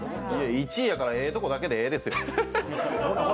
１位だからええとこだけでいいですよ。